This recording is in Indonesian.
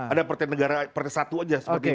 ada partai negara partai satu saja sebagai